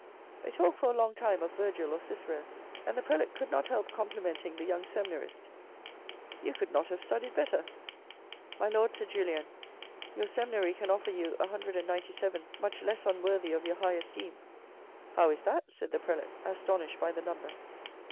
They talked for a long time of Virgil, or Cicero, and the prelate could not help compliment ing the young seminarist. You could not have studied better." " My Lord," said Julien, " your seminary can offer you 197 much less unworthy of your high esteem." "How is that?" said the Prelate astonished by the number."